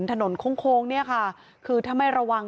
โค้งเนี่ยค่ะคือถ้าไม่ระวัง